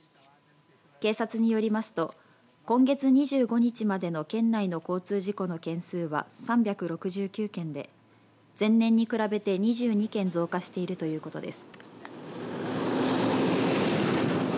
警察によりますと今月２５日までの県内の交通事故の件数は３６９件で前年に比べて２２件増加しているということです。